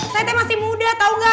saya teh masih muda tau ga